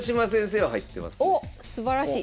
おっすばらしい。